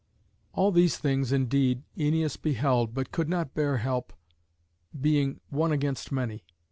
All these things, indeed, Æneas beheld, but could not bear help, being one against many.